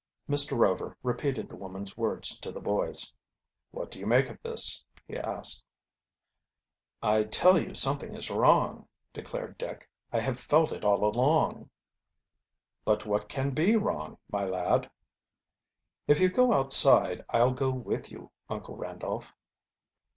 Mr. Rover repeated the woman's words to the boys. "What do you make of this?" he asked. "I tell you something is wrong," declared Dick. "I have felt it all along." "But what can be wrong, my lad?" "If you go outside I'll go with you, Uncle Randolph."